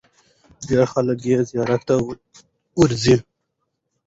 ډېر خلک یې زیارت ته ورځي.